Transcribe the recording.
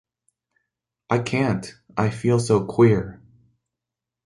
I can't, I feel so queer!